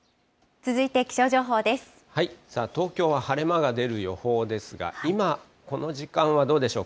東京は晴れ間が出る予報ですが、今、この時間はどうでしょう。